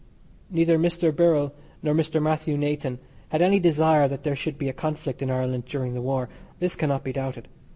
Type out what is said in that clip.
Neither Mr. Birrell nor Sir Mathew Nathan had any desire that there should be a conflict in Ireland during the war. This cannot be doubted.